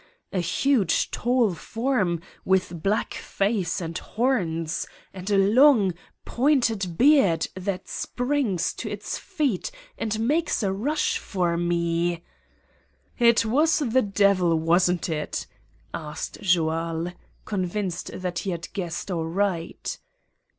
A huge, tall form, with black face, and horns, and a long, pointed beard, that springs to its feet and makes a rush for me—" "It was the Devil, wasn't it?" asked Joal, convinced that he had guessed aright.